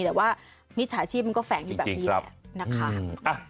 แต่ว่ามิจฉาชีพมันก็แฝงอยู่แบบนี้แหละนะคะ